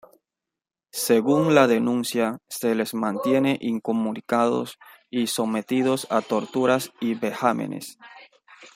Según la denuncia, se les mantiene incomunicados y sometidos a torturas y vejámenes.